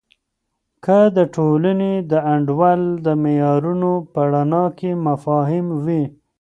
که د ټولنې د انډول د معیارونو په رڼا کې مفاهیم وي.